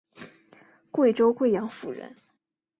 贵州贵阳府人。